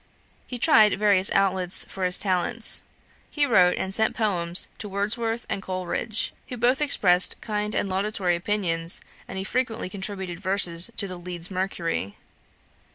He tried various outlets for his talents. He wrote and sent poems to Wordsworth and Coleridge, who both expressed kind and laudatory opinions, and he frequently contributed verses to the Leeds Mercury.